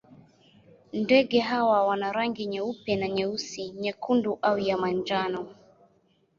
Ndege hawa wana rangi nyeupe na nyeusi, nyekundu au ya manjano.